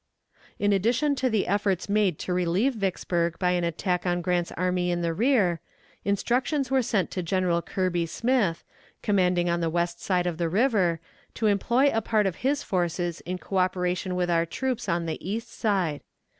In addition to the efforts made to relieve Vicksburg by an attack on Grant's army in the rear, instructions were sent to General Kirby Smith, commanding on the west side of the river, to employ a part of his forces in coöperation with our troops on the east side.